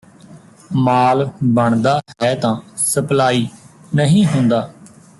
ਮਾਲ ਬਣਦਾ ਹੈ ਤਾਂ ਸਪਲਾਈ ਨਹੀਂ ਹੁੰਦਾ